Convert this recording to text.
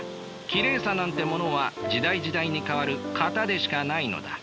きれいさなんてものは時代時代に変わる型でしかないのだ。